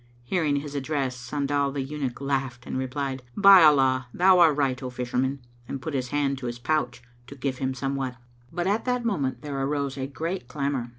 Hearing his address, Sandal the Eunuch [FN#235] laughed and replied, "By Allah, thou art right, O Fisherman," and put his hand to his pouch, to give him somewhat; but at that moment there arose a great clamour.